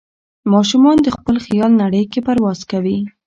ماشومان د خپل خیال نړۍ کې پرواز کوي.